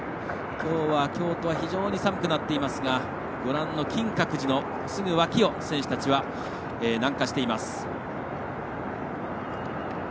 きょうは、京都は非常に寒くなっていますが金閣寺のすぐ脇を選手たちは南下しています。